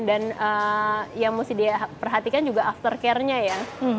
dan yang harus diperhatikan juga after care nya ya